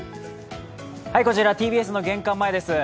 こちら、ＴＢＳの玄関前です。